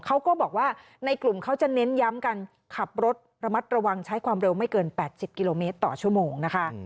เขาก็บอกว่าในกลุ่มเขาจะเน้นย้ำกันขับรถระมัดระวังใช้ความเร็วไม่เกิน๘๐กิโลเมตรต่อชั่วโมงนะคะ